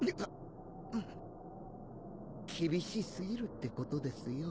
厳しすぎるってことですよ。